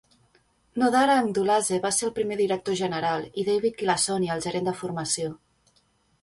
Nodar Andghuladze va ser el primer director general i David Kilassonia el gerent de formació.